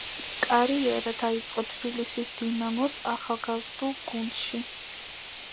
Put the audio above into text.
კარიერა დაიწყო თბილისის „დინამოს“ ახალგაზრდულ გუნდში.